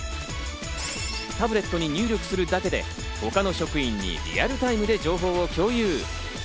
タブレットに入力するだけで他の職員にリアルタイムで情報を共有。